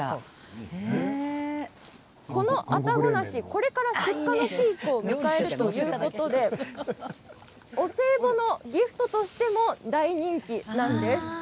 これから出荷のピークを迎えるということでお歳暮のギフトとしても大人気なんです。